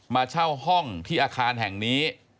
มาเช่าห้องที่อาคารแห่งนี้